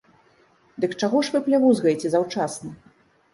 Дык чаго ж вы плявузгаеце заўчасна?